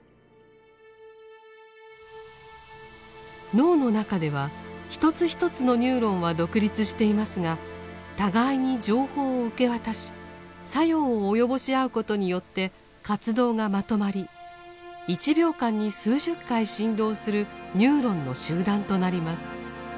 脳の中では一つ一つのニューロンは独立していますが互いに情報を受け渡し作用を及ぼし合うことによって活動がまとまり１秒間に数十回振動するニューロンの集団となります。